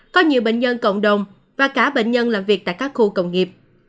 có nhiều bệnh nhân cộng đồng và cả bệnh nhân làm việc tại các khu công nghiệp